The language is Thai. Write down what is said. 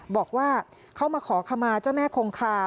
บอกว่าเขามาขอขมาเจ้าแม่คงคา